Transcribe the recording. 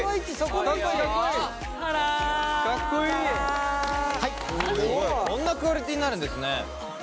こんなクオリティーになるんですね。